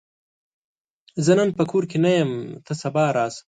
زه نن په کور کې نه یم، ته سبا راشه!